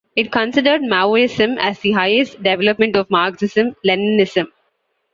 It considers Maoism as the highest development of Marxism-Leninism.